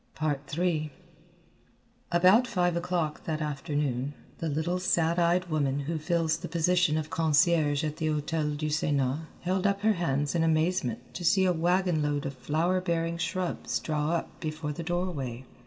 III About five o'clock that afternoon, the little sad eyed woman who fills the position of concierge at the Hôtel du Sénat held up her hands in amazement to see a wagon load of flower bearing shrubs draw up before the doorway.